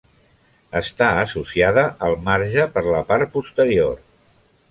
Està associada al marge per la part posterior.